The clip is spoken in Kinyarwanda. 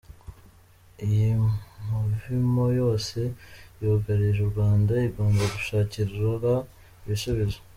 Iyi mivumo yose yugarije Urwanda igomba gushakirwa ibisubizo.